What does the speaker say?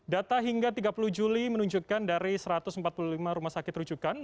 data hingga tiga puluh juli menunjukkan dari satu ratus empat puluh lima rumah sakit rujukan